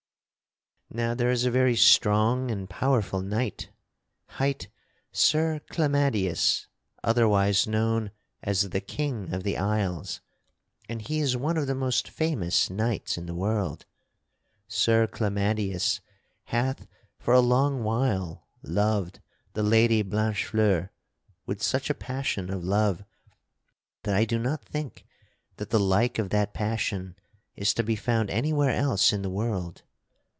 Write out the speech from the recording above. "Now there is a very strong and powerful knight hight Sir Clamadius, otherwise known as the King of the Isles; and he is one of the most famous knights in the world. Sir Clamadius hath for a long while loved the Lady Blanchefleur with such a passion of love that I do not think that the like of that passion is to be found anywhere else in the world.